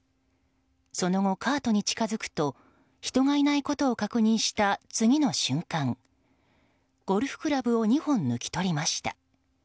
その後、カートに近づくと人がいないことを確認した次の瞬間、ゴルフクラブを２本抜き取りました。